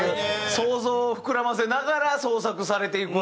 想像を膨らませながら創作されていくわけだ。